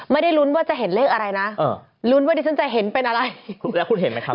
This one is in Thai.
ไม่ได้ลุ้นว่าจะเห็นเลขอะไรนะลุ้นว่าดิฉันจะเห็นเป็นอะไรคุณเห็นไหมครับ